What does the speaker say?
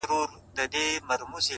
په خندا پاڅي په ژړا يې اختتام دی پيره!!